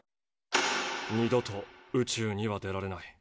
二度と宇宙には出られない。